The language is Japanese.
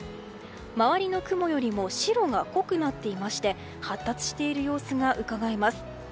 周りの雲よりも白が濃くなっていまして発達している様子がうかがえます。